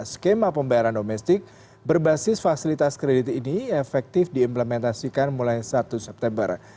skema pembayaran domestik berbasis fasilitas kredit ini efektif diimplementasikan mulai satu september